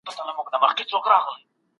دنظم عنوان دی قاضي او څارنوال